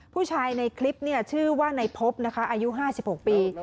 ผู้ชายในคลิปชื่อว่านายพบอายุ๕๖ปี